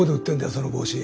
その帽子。